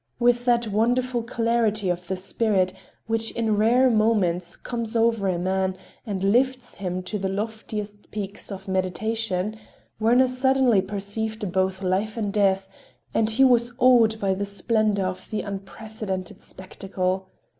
With that wonderful clarity of the spirit which in rare moments comes over man and lifts him to the loftiest peaks of meditation, Werner suddenly perceived both life and death, and he was awed by the splendor of the unprecedented spectacle.